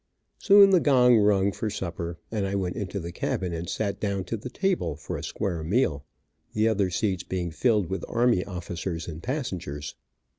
Soon the gong rung for supper, and I went into the cabin and sat down to the table for a square meal, the other seats being filled with army officers and passengers.